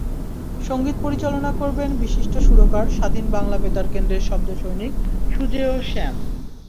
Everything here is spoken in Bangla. সংগীত পরিচালনা করবেন বিশিষ্ট সুরকার স্বাধীন বাংলা বেতার কেন্দ্রের শব্দসৈনিক সুজেয় শ্যাম।